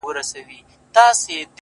• زموږ کورونه زموږ ښارونه پکښي ړنګ سي,